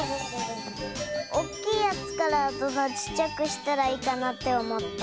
おっきいやつからどんどんちっちゃくしたらいいかなっておもった。